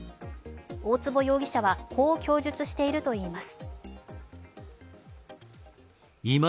大坪容疑者はこう供述しているといいます。